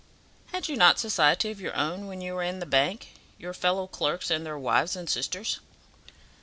"Had you not society of your own when you were in the bank your fellow clerks and their wives and sisters?"